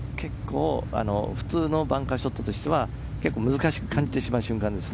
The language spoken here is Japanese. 普通のバンカーショットとしては結構難しく感じてしまう瞬間です。